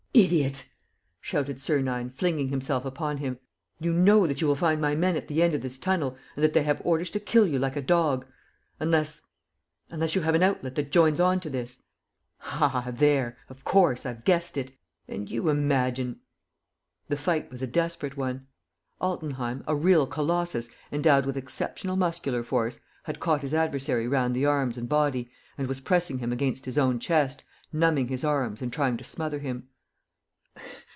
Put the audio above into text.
"Idiot!" shouted Sernine, flinging himself upon him. "You know that you will find my men at the end of this tunnel and that they have orders to kill you like a dog. ... Unless ... unless you have an outlet that joins on to this. ... Ah, there, of course, I've guessed it! ... And you imagine ..." The fight was a desperate one. Altenheim, a real colossus, endowed with exceptional muscular force, had caught his adversary round the arms and body and was pressing him against his own chest, numbing his arms and trying to smother him.